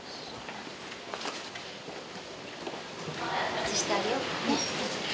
外してあげようかね。